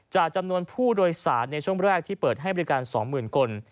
จำนวนผู้โดยสารในช่วงแรกที่เปิดให้บริการ๒๐๐๐คน